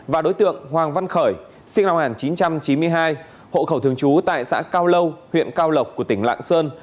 và đối tượng hoàng văn khởi sinh năm một nghìn chín trăm chín mươi hai hộ khẩu thường trú tại xã cao lâu huyện cao lộc của tỉnh lạng sơn